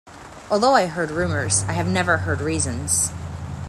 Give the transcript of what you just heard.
Although I heard rumors, I have never heard reasons.